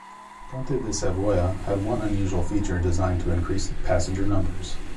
"Conte di Savoia" had one unusual feature designed to increase passenger numbers.